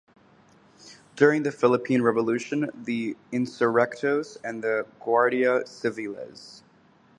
During the Philippine revolution the "insurrectos" and the "Guardia civiles".